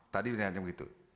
tadi dia ngajak begitu